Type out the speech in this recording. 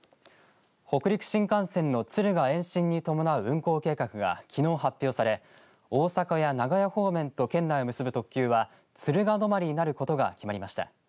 北陸新幹線の敦賀延伸に伴う運行計画がきのう発表され大阪や名古屋方面と県内を結ぶ特急は敦賀止まりになることが決まりました。